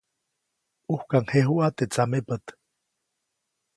ʼUjkaŋjejuʼa teʼ tsamepät.